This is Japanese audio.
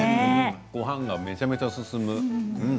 ごはんが、めちゃめちゃ進む。